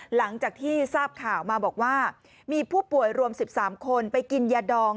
หลังจากที่ทราบข่าวมาบอกว่ามีผู้ป่วยรวม๑๓คนไปกินยาดอง